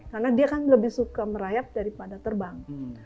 karena dia kan lebih suka merayap daripada terbang